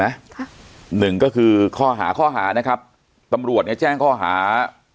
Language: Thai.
ค่ะหนึ่งก็คือข้อหาข้อหานะครับตำรวจเนี้ยแจ้งข้อหา